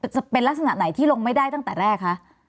จะเป็นลักษณะไหนที่ลงไม่ได้ตั้งแต่แรกคะ